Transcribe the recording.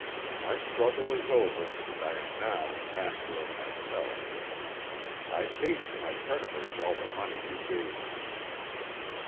My struggle is over and I am now master of myself. I paid to my creditors all the money you gave me.'"